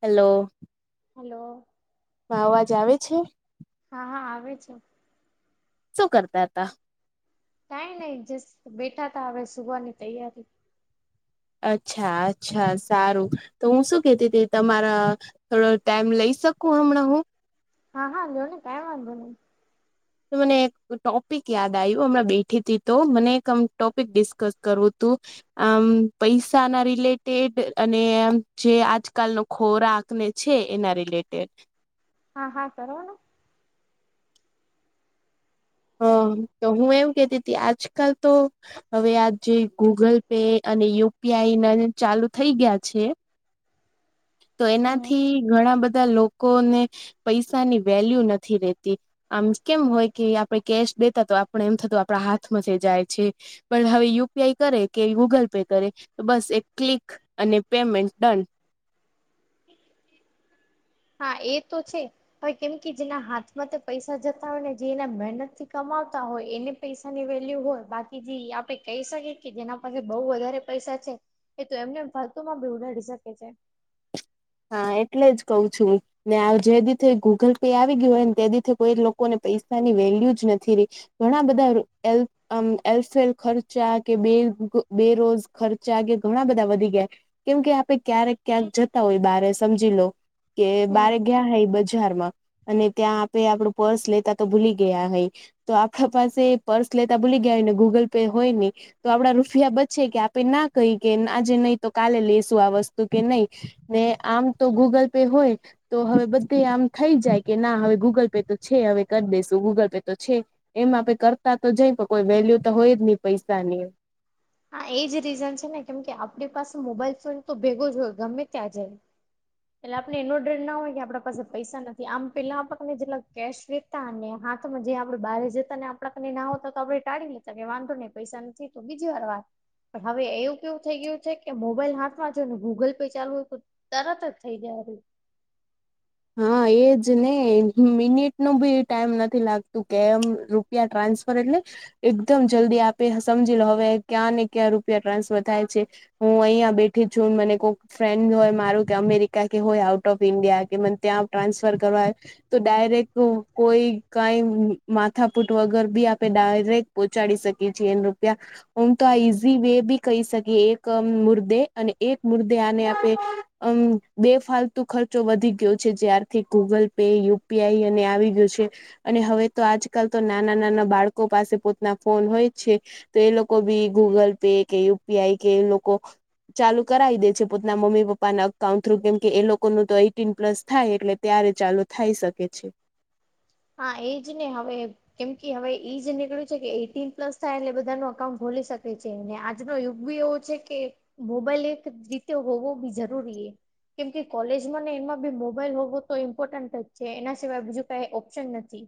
Hello. Hello. માં અવાજ આવે છે? હા હા આવે છે. શું કરતા હતા? કાઈ નઈ જસ્ટ બેઠા તા હવે સુવા ની તૈયારી અચ્છા અચ્છા સારું તો હું શું કેતી હતી તમારા થોડો ટાઈમ લઈ શકું હમણાં હું હા હા લિયો ને કાઈ વાંધો નહી મને એક ટોપિક યાદ આયું હમણાં બેઠી તી તો મને એક અમ ટોપિક ડિસ્કસ કરવું તું આમ પૈસા ના રિલેટેડ અનેમ જે આજકાલ નો ખોરાકને છે એના રિલેટેડ. હા હા સર હ તો હું એવું કેતી તી આજકાલ તો હવે આ જે ગૂગલ પે અને યુપીઆઈ ના ચાલુ થઇ ગ્યા છે તો હમ એનાથી ઘણા બધા લોકોને પૈસાની વેલ્યુ નથી રેતી આમ કેમ હોય કે આ પે કેશ દેતા તો આપણે એમ થતું આપણા હાથમાં થી જાય છે. પણ હવે યુ. પી. આઈ. કરે કે ગૂગલ પે કરે તો બસ એક ક્લિક અને પેમેન્ટ ડન. એ [inaudible] હા એ તો છે. હવે કેમ કે જેના હાથમાં થી પૈસા જતા હોય ને જે એના મહેનત થી કમાવતા હોય એને પૈસા ની વેલ્યુ હોય બાકી જે આપે કઈ શકીએ કે જેના પાસે બઉ વધારે પૈસા છે એ તો એમને ફરતુમાં ભી ઉડાડી શકે છે. હા એટલે જ કવ છું. ને આ જે દીધે ગૂગલ પે આવી ગ્યું હેને તેદી થી કોઈ લોકોને પૈસાની વેલ્યુ જ નથી રિ. ઘણા બધા એલ આમ એલફેલ ખર્ચા કે બે બેરોજ ખર્ચા કે ઘણા બધા વધી ગ્યા કેમ કે આપે ક્યારેક ક્યાંક જતા હોય બાર સમજી લો કે બારે હમ ગ્યા હૈ બજારમાં અને ત્યાં આપે આપડું પર્સ લેતા તો ભૂલી ગેયા હઈ તો આખા પાસે પર્સ લેતા ભૂલી ગ્યા હોય ને ગૂગલ પે હોય ની તો આપડા રૂફિયા બચે કે આપે ના કહી કે આજે નહીં તો કાલે લેશું આ વસ્તુ કે નહી ને આમ તો ગૂગલ પે હોય તો હવે બધે આમ થઈ જાય કે ના હવે ગૂગલ પે તો છે હવે કરી દેસું ગૂગલ પે તો છે એમાં આપે કરતા તો જઈ પણ કોઈ વેલ્યુ તો હોય જ નહી પૈસા ની હા એજ રીઝન છે ને કેમ કે આપડી પાસે મોબાઈલ ફોન તો ભેગો જ હોય ગમે ત્યાં જય એટલે આપણે એનો ડર ના હોય કે આપડા પાસે પૈસા નથી આમ પેલા આપક ને જેટલા કેશ વિથ અને હાથમાં જે આપડે બહારે જતા ને આપડા કને ના હોતા તો આપડે ટાળી લેતા કે વાંધો નહી પૈસા નથી તો બીજી વાર વા પણ હવે એવું કેવું થઈ ગ્યું છે કે મોબાઈલ હાથમાં જો ને ગૂગલ પે ચાલુ હોય તો તરત જ થઈ ગ્યા [inaudible] હા એજ ને મિનિટનો ભી ટાઈમ નથી લાગતું કે એમ રુ પિયા ટ્રાન્સફર એટલે એકદમ જલ્દી આપે સમજી લો હવે ક્યાંને ક્યાં રૂપિયા ટ્રાન્સફર થાય છે. હું અહીંયા બેઠી છું મને કોઈક ફ્રેન્ડ હોય મારું કે અમેરિકા કે હોય આઉટ ઓફ ઈન્ડિયા કે મન ત્યાં ટ્રાન્સફર કરવા હોય. તો ડાયરેક્ટ કોઈ કઃઈ માથાપુટ વગર ભી આપે ડાયરેક્ટ પહોંચાડી શકીએ છે એમ રૂપિયા. હું તો આ ઈઝી વે બી કહી શકીએ એક મુર્દે અને એક મુદ્દે આને આપણે અમ બે ફાલતુ ખર્ચો વધી ગયો. જ્યારથી Google Pay U P I અને આવી ગયું છે. અને હવે તો આજકાલ તો નાનાં-નાનાં બાળકો પાસે પોતના ફોન હોય છે. તો એ લોકો ભી ગૂગલ પે કે યુ પી આઈ કે એ લોકો ચાલુ કરાઈ દે છે પોતાના મમ્મી પપ્પાના અકાઉન્ટ થ્રુ કેમ કે એ લોકોનું તો એટીન પ્લસ થાય એટલે ત્યારે ચાલુ થાય શકે છે. હા એજ ને હવે. કેમ કે હવે ઈ જ નીકળ્યું છે કે એટીન પ્લસ થાય એટલે બધાનું અકાઉન્ટ ખોલી શકે છે અને આજનો યુગ બી એવો છે કે મોબાઈલ એક રીતે હોવો બી જરૂરી કેમ કે કોલેજમાં ને એમાં બી મોબાઈલ હોવો તો ઈમ્પોર્ટન્ટ જ છે એના સિવાય બીજું કાઈ ઓ શન નથી.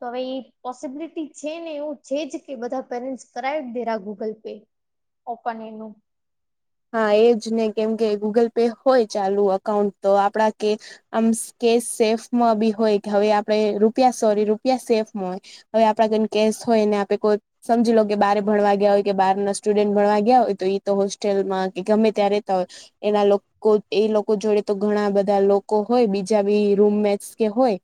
તો હવે એ પોસિબિલિટી છે ને એવું છે જ કે બધાં પેરેન્ટસ કરાય જ દે આ ગૂગલ પે. તો પણ એનું હા એજ ને કેમ કે ગૂગલ પે હોય ચાલુ અકાઉન્ટ તો આપડા કે આમ સે કેશ સેફમાં બી હોય કે હવે આપડે રૂપિયા સોરી રૂપિયા સેફમાં હોય. હવે આપણા કને કેસ હોય ને આપે કોઈ સમજી લો કે બારે ભણવા ગયા હોય કે બારના સ્ટુડન્ટ ભણવા ગયા હોય તો ઈ તો હોસ્ હોલમાં કે ગમે ત્યાં રહેતાં હોય એના લો કો ઈ લોકો જોડે તો ઘણાં બધાં લોકો હોય બીજા બી રૂમમેટ્સ કે હોય.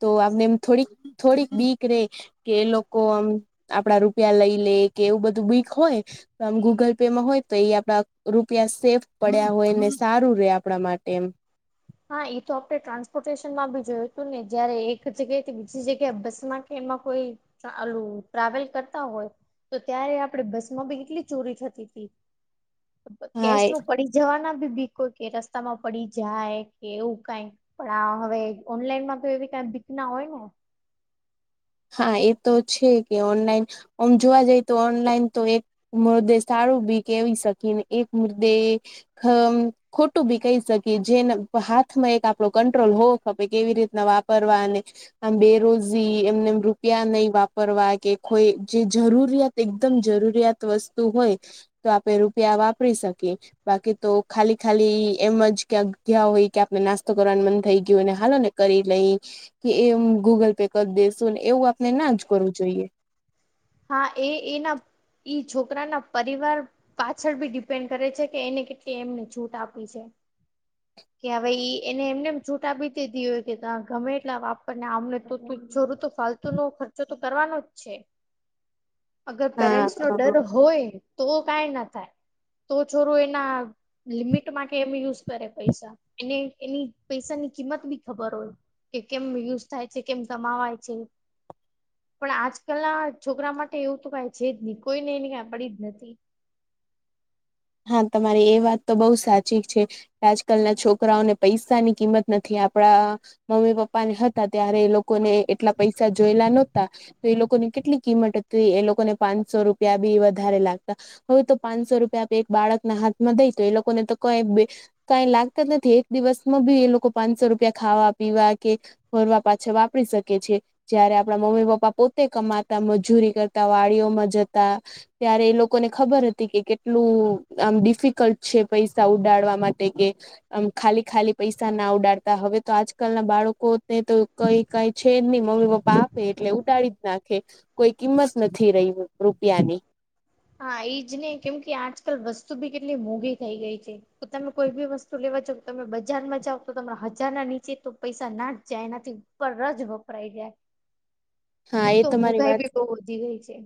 તો આમને એમ થોડીક થોડીક બીક રેય. કે ઈ લોકો આમ આપડા રૂપિયા લઈ લે કે એવું બધું બીક હોય. પણ ગુગલ પેમાં હોય. તો એ આપડા રૂપિયા સેફ પડ્યા હોયને સારું રે આપણા માટે એમ. હા એ તો આપણે ટ્રાન્સપોર્ટેશનમાં બી જોયું હતું ને જયારે એક જગ્યાએથી બીજી જગ્યાએ બસમાં કે એમાં કોઈ ઓલું ટ્રાવેલ કરતાં હોય. તો ત્યારે આપડે બસમાં બી કેટલી ચોરી થતી તી. હા કેશનું પડી જવાના બીક હોય કે રસ્તામાં પડી જાય. એવું કાઈક પણ આ હવે ઓનલાઈનમાં તો એવી કાઈક બીક ના હોય ને. હા ઈ તો છે કે ઓનલાઈન આમ જોવા જઈ તો ઓનલાઈન તો એક મૃદેહ સારું બી કેવી શકી ને એક મુદ્દે અ ખોટું બી કહી શકીએ જેને હાથમાં એક આપણો કંટ્રોલ હોવો કે ભઈ કેવી રીતનાં વાપરવા અને આમ બેરોઝી એમને એમ રૂપિયા નહીં વાપરવા કે કોઈ જે જરૂરિયાત એકદમ જરૂરિયાત વસ્તુ હોય. તો આપે રૂપિયા વાપરી શકીએ. બાકી તો ખાલી ખાલી એમ જ ક્યાં ગયા હોય કે આપને નાસ્તો કરવાનું મન થઈ ગયું હોયને હાલો ને. કરી લઈ કે એમ ગૂગલ પે કર દેશું એવું આપણે ના જ કરવું જોઈએ. હા એ એના ઈ છોકરાનાં પરિવાર પાછળ બી ડિપેન્ડ કરે છે કે એને કેટલી એમ છૂટ આપી છે. કે હવે ઈ એને એમને એમ છૂટ આપી દીધી હોય કે તા ગમે એટલા વાપર ને આમને તો જૂરું તો ફાતું તોનો ખર્ચો તો કરવાનો જ છે. અગર હા પેરેન્ટ્સ નો હા. ડર હોય તો કાંઈ ના થાય તો છોરો એના લિમિટ મા કેમ યુઝ કરે પૈસા એને એની પૈસાની કિંમત બી ખબર હોય. કે કેમ યુઝ થાય છે કેમ કમાવાય છે પણ આજકાલના. છોકરા માટે એવું તો કઈ છે જ નહી કોઈને એને કઈ પડી જ નથી. હા તમારી એ વાત તો બહુ સાચી છે. આજકાલના છોકરાઓને પૈસા ની કિંમત નથી આપડા. મમ્મી પપ્પા ને હતા ત્યારે એ લોકોને એટલા પૈસા જોયેલા નહોતા. એ લોકોની કેટલી કિંમત હતી એ લોકોને પાંચસો રૂપિયા બી વધારે લાગતા. હવે તો પાંચસો રૂપિયા એક બાળક ના હાથમાં દઈ તો એ લોકોને તો કઈ. કઈ લાગતા જ નથી એક દિવસમાં બી એ લોકો પાંચસો રૂપિયા ખાવા પીવા કે. ફરવા પાછળ વાપરી શકે છે. જયારે આપણા મમ્મી પપ્પા પોતે કમાતા મજૂરી કરતા વાડીઓમાં જતા. ત્યારે એ લોકોને ખબર હતી કે કે. એટલું આમ ડિફિકલ્ટ છે પૈસા ઉડાડવા માટે કે. આમ ખાલી ખાલી પૈસા ના ઉડાડતા હવે તો આજકાલ ના બાળકોને તો. કઈ કઈ છે જ નહી મમ્મી પપ્પા આપે એટલે ઉડાડી જ નાખે. કોઈ કિંમત નથી રહી રૂપિયાની. હા ઈજ ને કેમ કે આજકાલ વસ્તુ બી કેટલી મોઘી થઈ ગઈ છે તમે કોઈ બી વસ્તુ. લેવા જો તમે બજારમાં જાાવ તો તમા હજાર ના નીચે તો પૈસા ના જાય એનાથી. ઉપર જ વપરાઈ જાય. [inaudible] એક એ તો તમારી મોઘાઈ વાત ભી બહુ વધી ગઈ છે.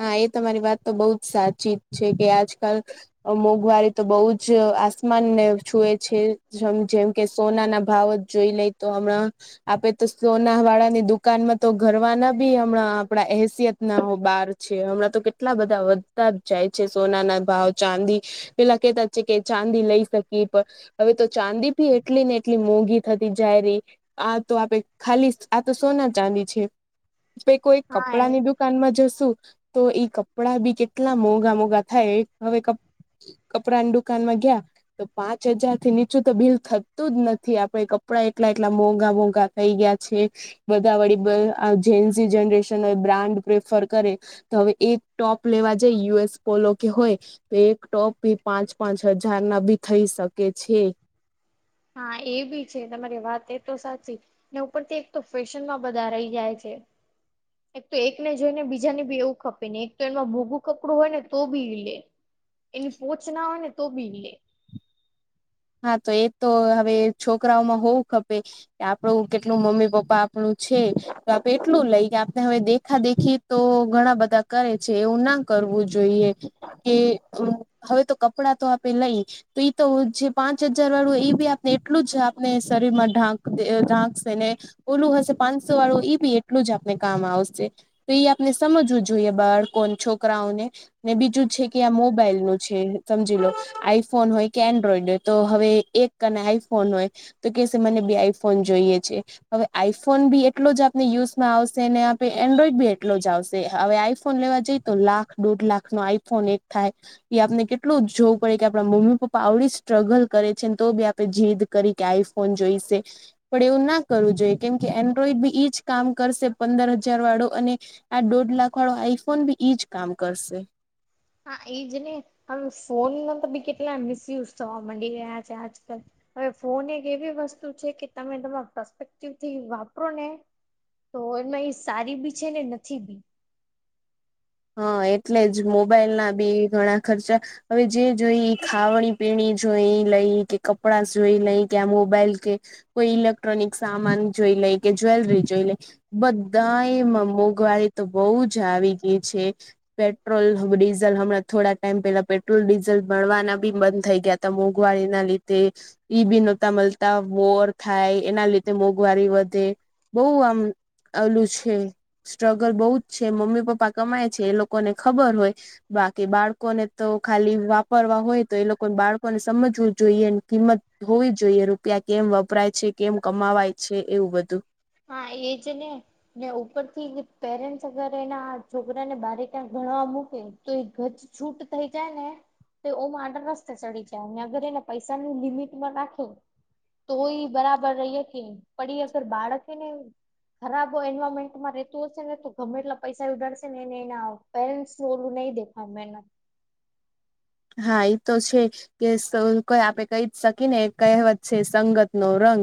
હા એ તમારી વાત તો બહુ જ સાચી જ છે કે આજકાલ. મોંઘવારી તો બહુ જ આસમાનને છુએ છે જેમ જેમ કે સોના ના ભાવ. જોઈ લઈ તો હમણાં. આપડે તો સોના વાળા ની દુકાનમાં તો ઘરવાના બી હમણાં આપણા એસિયત ના હો બાર. છે હમણાં તો કેટલા બધા વધતા જ જાય છે સોના ના ભાવ ચાંદી. પેલા કેતા છે કે ચાંદી લઈ શકીએ પણ. હવે તો ચાંદી ભી એટલી ને એટલી મોંઘી થતી જાય રહી. આ તો આપડે ખાલી આ તો સોના ચાંદી છે. કોઈ હા કપડા એ ની દુકાનમાં જશું. તો ઈ કપડાં બી કેટલા મોંઘા મોઘા થાય હવે કપ. કપડા ની દુકાન માં ગ્યા. તો પાંચ હજાર થી નીચું તો બિલ થતું જ નથી આપડે કપડા એટલા એટલા મોંઘા મોંઘા. થઈ ગયા છે બધા વળી જે જનરેશન બ્રાન્ડ પ્રેફર કરે. હવે એ જ ટોપ લેવા જાય યુ એસ પોલો કે હોય. તો એક ટોપ ભી પાંચ પાંચ હજાર ના ભી થઈ શકે છે. હા એ બી છે તમારી વાત એ તો સાચી. ને ઉપર થી પણ તે એક તો ફેશન માં બધા રહી જાય છે. એક તો એકને જોઈ ને બીજાને બી એવું ખપે ને એક તો એમાં મોગું કપડું હોય ને તો બી લે. એની પોચ ના હોય ને તો બી લે. હા તો એ તો હવે છોકરાઓમાં હોવું ખપે. કે આપણું કેટલું મમ્મી પપ્પા આપણું છે તો આપે એટલું લઈ કે આપને હવે દેખા દેખી. તો ઘણા બધા કરે છે એવું ના કરવું જોઈએ. કે હવે તો કપડાં તો આપે લઈ તો ઇતો જે. પાંચ હજાર વાળું એ બી આપને એટલું જ આપને શરીર માં ઢાંક ઢાંકશે ને. ઓલું હશે પાંચસો વાળું એ બી એટલું જ આપને કામ આવશે. તો એ આપણે સમજવું જોઈએ બાળકોણ છોકરાઓને. ને બીજું છે કે આ મોબાઈલ નું છે સમજી લો આઈફોન હોય કે એન્ડ્રોઈડ હોય. તો હવે એક કને આઈફોન હોય તો કે સાથે મને બે આઈફોન જોઈએ છે. હવે આઈફોન બી એટલો જ આપને યુઝમાં આવશે ને આપે એન્ડ્રોઈડ બી એટલો જ આવશે હવે આઈફોન લેવા જઈ તો લાખ દોઢ લાખ નો આઈફોન એક થાય. એ આપને કેટલું જ જોવું પડે કે આપણા મમ્મી પપ્પા આવડીશ. સ્ટ્રગલ કરે છે ને તો બી આપડે જીદ કરી કે આઈફોન જોઈશે. પણ એવું ના કરવું જોઈએ કેમ કે એન્ડ્રોઈડ બી એઈજ કામ કરશે પંદર હજાર વાળો અને આ દોઢ લાખ વાળો આઈફોન બી ઈજ કામ કરશે. હા એ જ ને હવે ફોન ના તો બી કેટલા મિસયુઝ થવા માંડી રહ્યા છે આજકાલ. હવે ફોન એક એવી વસ્તુ છે કે તમે તમારા પસ્પેક્ટિવ થી વાપરો ને તો એમાં એ સારી બી છે ને નથી બી. હા એટલે જ મોબાઈલ ના બી ઘણા ખર્ચા હવે જે જોઈ ખાવણી પીણી જોઈ એ લઈ કે કપડા જોઈ લઈ કે આ મોબાઈલ કે કોઈ ઇલેક્ટ્રોનિક સામાન જોઈ લે કે જ્વેલરી જોઈ લઈ. બધા એમાં મોંઘવારી તો બો જ આવી ગઈ છે. પેટ્રોલ, ડીઝલ હમણાં થોડા ટાઈમ પેલા પેટ્રોલ ડીઝલ મળવાના બી બંધ થઈ ગયા. તો મોઘવારી ના લીધે ઈ બી નોતા મળતા વોર થાય એના લીધે મોંઘવારી વધે. બો આમ ઓલું છે સ્ટ્રગલ બો જ છે મમ્મી, પપ્પા કેતા કમાય છે એ લોકોને ખબર હોય બાકી બાળકોને તો ખાલી વાપરવા હોય તો એ લોકોને બાળકોને સમજવું જોઈએ ને કિંમત હોવી જ જોઈએ રૂપિયા કેમ વપરાય છે, કેમ કમાવાય છે એવું બધું. હા એજને ને ઉપરથી પેરેન્ટ્સ અગર એના છોકરાને બારે ક્યાં ભણવવા મૂકે તો એ ગજ છૂટ થઈ જાય ને તો ઓમ આડા રસ્તે ચડી જાય અને અગર એને પૈસાની લિમિટમાં રાખે તો એ બરાબર રહીએ કે પડી વગર બાળક છે ને ખરાબ એન્વાયરમેન્ટમાં રહેતું હશે ને તો ગમે એટલા પૈસા ઉડાડશે ને એને એના આવ પેરેન્ટ્સ વોલું નહી દેખા મે હા ઈ તો છે કે કોઈ આપે કહી જ શકી ને કહેવત છે સંગત નો રંગ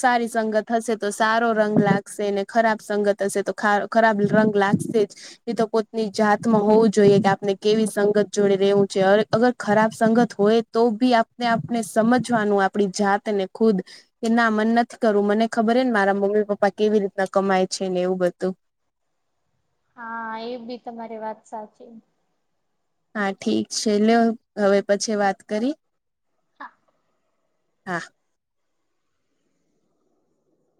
સારી સંગત હશે તો સારો રંગ લાગશે ને ખરાબ સંગત હશે તો ખ ખરાબ રંગ લાગશે ઈ તો પોતની જાત માં હોવું જોઈએ કે આપને કેવી સંગત જોડે રેવું જ્યારે અગર ખરાબ સંગત હોય તો બી આપને આપને સમજવાનું આપણી જાતને ખુદ. કે ના મને નથી કરવું મને ખબર હે ને મારા મમ્મી પપ્પા કેવી રીતના કમાય છે ને એવુ બધુ. હા એ બી તમારી વાત સાચી. હા ઠીક છે લે હવે પછી વાત કરી. હા.